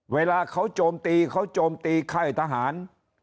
เวลาเขาโจมตีเขาโจมตีค่ายทหาร